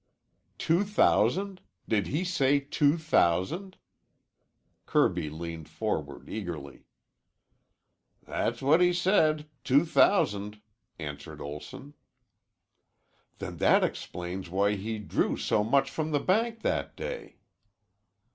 '" "Two thousand! Did he say two thousand?" Kirby leaned forward eagerly. "That's what he said. Two thousand," answered Olson. "Then that explains why he drew so much from the bank that day."